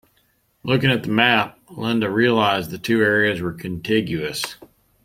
Looking at the map, Linda realised that the two areas were contiguous.